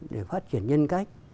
để phát triển nhân cách